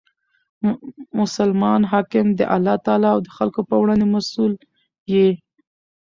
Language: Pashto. مسلمان حاکم د الله تعالی او خلکو په وړاندي مسئول يي.